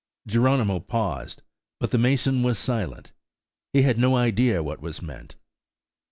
Geronimo paused; but the mason was silent–he had no idea what was meant.